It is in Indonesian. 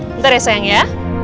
bentar ya sayang ya